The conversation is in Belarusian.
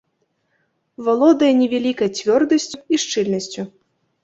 Валодае невялікай цвёрдасцю і шчыльнасцю.